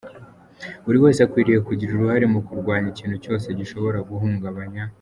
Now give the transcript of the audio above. Buri wese akwiriye kugira uruhare mu kurwanya ikintu cyose gishobora kuwuhungabanya."